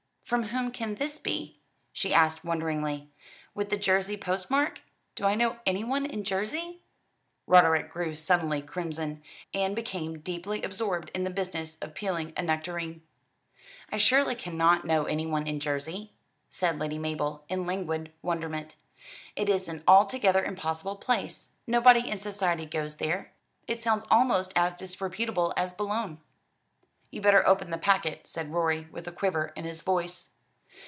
"From whom can this be?" she asked wonderingly, "with the Jersey post mark? Do I know anyone in Jersey?" Roderick grew suddenly crimson, and became deeply absorbed in the business of peeling a nectarine. "I surely cannot know anyone in Jersey," said Lady Mabel, in languid wonderment. "It is an altogether impossible place. Nobody in society goes there. It sounds almost as disreputable as Boulogne." "You'd better open the packet," said Rorie, with a quiver in his voice.